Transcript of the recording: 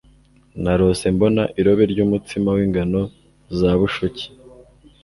narose mbona irobe ry'umutsima w'ingano za bushoki